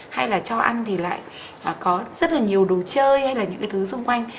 hay là cho ăn thì lại có rất là nhiều đồ chơi hay là những cái thứ xung quanh